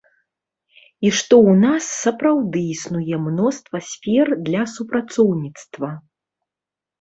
І што ў нас сапраўды існуе мноства сфер для супрацоўніцтва.